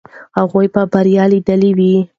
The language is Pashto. هغوی به بریا لیدلې وي.